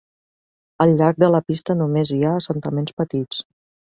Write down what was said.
Al llarg de la pista només hi ha assentaments petits.